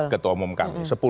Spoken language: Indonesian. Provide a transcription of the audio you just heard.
ketua umum kami